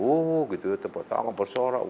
oh gitu tepat tangan bersorak